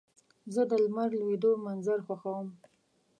زه د لمر لوېدو منظر خوښوم.